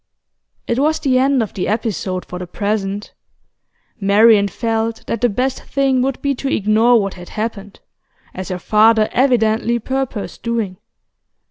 It was the end of the episode for the present. Marian felt that the best thing would be to ignore what had happened, as her father evidently purposed doing.